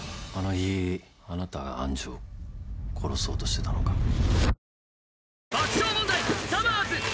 「あの日あなたが愛珠を殺そうとしてたのか」